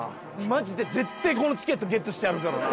マジで絶対このチケットゲットしてやるからな。